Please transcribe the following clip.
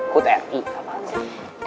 kut r i apaan sih